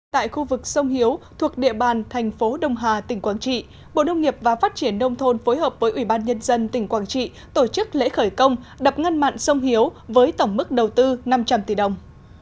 tại khu vực sông hiếu thuộc địa bàn thành phố đông hà tỉnh quảng trị bộ nông nghiệp và phát triển nông thôn phối hợp với ủy ban nhân dân tỉnh quảng trị tổ chức lễ khởi công đập ngăn mặn sông hiếu với tổng mức đầu tư năm trăm linh tỷ đồng